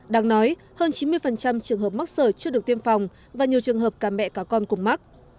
đáng nói hơn chín mươi trường hợp mắc sởi chưa được tiêm phòng và nhiều trường hợp cả mẹ cả con cùng mắc